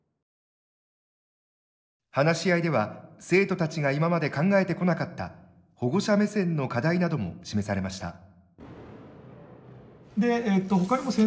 話し合いでは生徒たちが今まで考えてこなかった保護者目線の課題なども示されました。